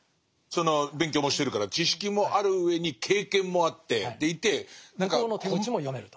その勉強もしてるから知識もあるうえに経験もあってでいて何か。